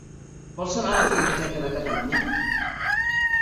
Vols anar a la Filmoteca de Catalunya?